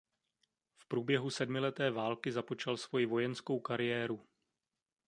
V průběhu sedmileté války započal svoji vojenskou kariéru.